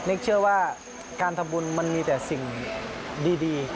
เชื่อว่าการทำบุญมันมีแต่สิ่งดี